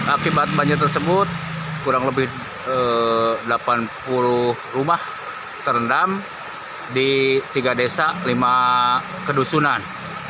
akibat banjir tersebut kurang lebih delapan puluh rumah terendam di tiga desa lima kedusunan